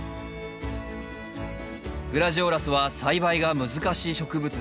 グラジオラスは栽培が難しい植物です。